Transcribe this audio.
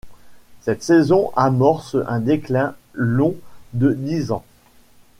Cette saison amorce un déclin long de dix ans.